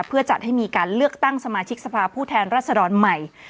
เพื่อจัดให้มีการเลือกตั้งสมาชิกสภาพผู้แทนรัศดรใหม่